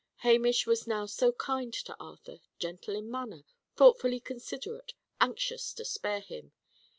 Hamish was now so kind to Arthur gentle in manner, thoughtfully considerate, anxious to spare him.